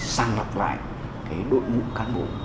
sang lọc lại cái đội ngũ cán bộ